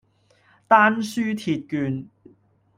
丹書鐵券